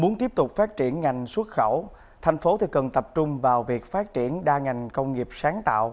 muốn tiếp tục phát triển ngành xuất khẩu thành phố cần tập trung vào việc phát triển đa ngành công nghiệp sáng tạo